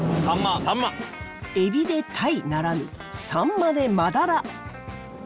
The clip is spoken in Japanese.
エビでタイならぬサンマでマダラ。